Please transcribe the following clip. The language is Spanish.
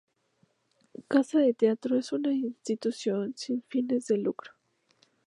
Casa de Teatro es una institución sin fines de lucro.